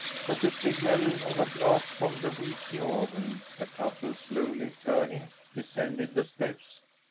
At the signal of a blast from the wheezy organ the couple, slowly turning, descended the steps.